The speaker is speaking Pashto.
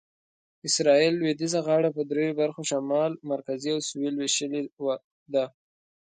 اسرایل لویدیځه غاړه په دریو برخو شمال، مرکزي او سویل وېشلې ده.